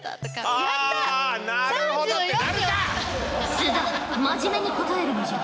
須田真面目に答えるのじゃ。